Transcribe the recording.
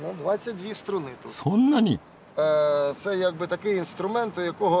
そんなに！